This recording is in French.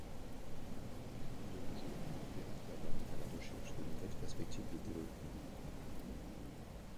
De nos jours, Peïra-Cava est à la recherche de nouvelles perspectives de développement.